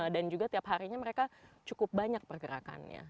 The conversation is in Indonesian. dan juga tiap harinya mereka cukup banyak pergerakannya